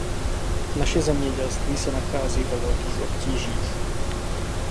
Naše zemědělství se nachází ve velkých obtížích.